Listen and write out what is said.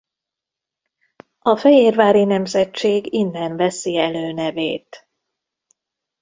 A Fejérváry nemzetség innen veszi előnevét.